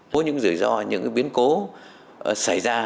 với những rủi ro những biến cố xảy ra